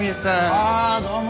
あどうも！